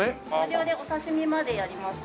無料でお刺し身までやります。